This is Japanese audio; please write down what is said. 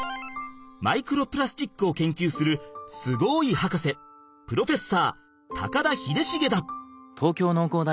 マイクロプラスチックを研究するすごいはかせプロフェッサー高田秀重だ！